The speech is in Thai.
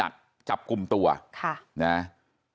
ทำให้สัมภาษณ์อะไรต่างนานไปออกรายการเยอะแยะไปหมด